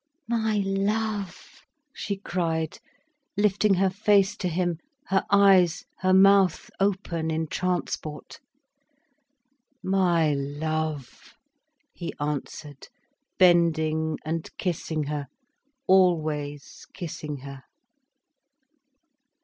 "My love," she cried, lifting her face to him, her eyes, her mouth open in transport. "My love," he answered, bending and kissing her, always kissing her.